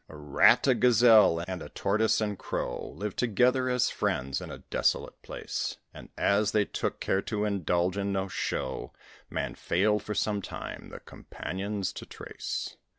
A Rat, a Gazelle, and a Tortoise and Crow Lived together as friends, in a desolate place; And, as they took care to indulge in no show, Man failed for some time the companions to trace.